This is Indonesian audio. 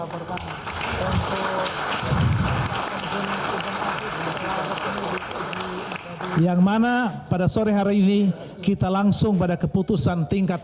kepala kepulsian rakyat